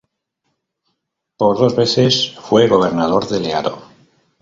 Por dos veces fue gobernador delegado.